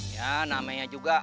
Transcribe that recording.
ya namanya juga